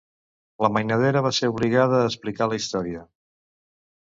La mainadera va ser obligada a explicar la història.